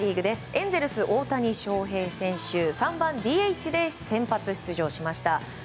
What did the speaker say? エンゼルス、大谷翔平選手３番ＤＨで先発出場しました。